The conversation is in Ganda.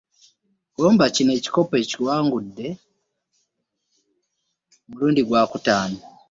Gomba ekikopo kino ekiwangudde mulundi gwa kutaano